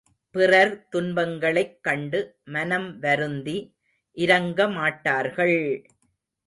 பிறர் துன்பங்களைக் கண்டு மனம் வருந்தி இரங்கமாட்டார்கள்!